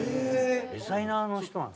デザイナーの人なのかな？